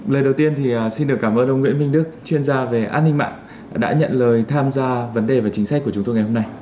lời đầu tiên thì xin được cảm ơn ông nguyễn minh đức chuyên gia về an ninh mạng đã nhận lời tham gia vấn đề về chính sách của chúng tôi ngày hôm nay